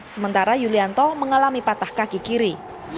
sementara yulianto mengalami patah kaki kiri